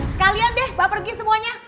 sekalian deh mbak pergi semuanya